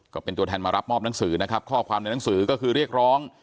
ก็เป็นตัวแทนมารับมอบหนังสือนะครับข้อความในหนังสือก็คือเรียกร้อง